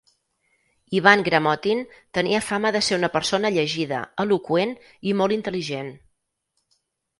Ivan Gramotin tenia fama de ser una persona llegida, eloqüent i molt intel·ligent.